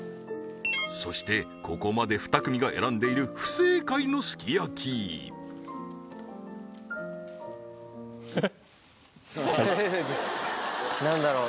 そしてここまで２組が選んでいる不正解のすき焼きふふふふっなんだろう？